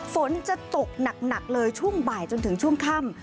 ฝนจะตกหนักเลยช่วงบ่ายจนถึงช่วงค่ำ